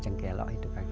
cengkelok itu kakinya